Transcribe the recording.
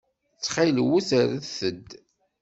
Ttxil-wet rret-d.